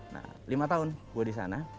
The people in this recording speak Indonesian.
nah lima tahun gue disana